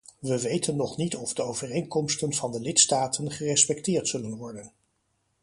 We weten nog niet of de overeenkomsten van de lidstaten gerespecteerd zullen worden.